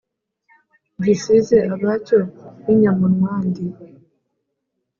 gisize abacyo b’inyamunwandi?”